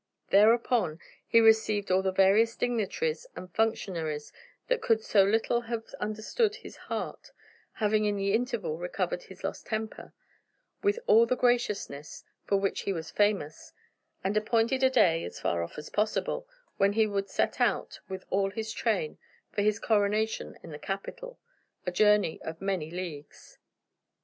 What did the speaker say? Thereupon he received all the various dignitaries and functionaries that could so little have understood his heart having in the interval recovered his lost temper with all the graciousness for which he was famous, and appointed a day as far off as possible when he would set out, with all his train, for his coronation in the capital, a journey of many leagues.